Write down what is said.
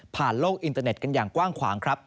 โลกอินเตอร์เน็ตกันอย่างกว้างขวางครับ